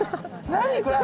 何これ！